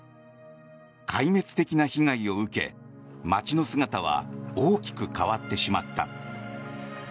壊滅的な被害を受け、街の姿は大きく変わってしまった。